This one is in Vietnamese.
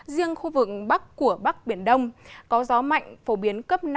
riêng khu vực bắc của bắc biển đông có gió mạnh phổ biến cấp năm